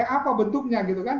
apa bentuknya gitu kan